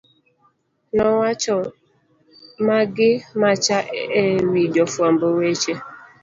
nowacho ma gi macha e wi jofwamb weche